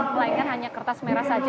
melainkan hanya kertas merah saja